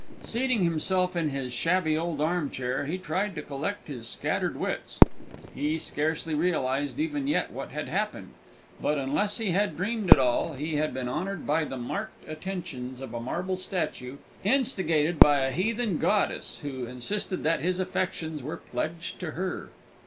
Seating himself in his shabby old armchair, he tried to collect his scattered wits. He scarcely realised, even yet, what had happened; but, unless he had dreamed it all, he had been honoured by the marked attentions of a marble statue, instigated by a heathen goddess, who insisted that his affections were pledged to her.